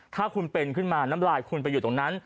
ถ้าคุณเป็นขึ้นมาน้ำลายคุณไปอยู่ตรงนั้น